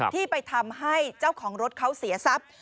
ที่ไปทำให้เจ้าของรถเขาเสียทรัพย์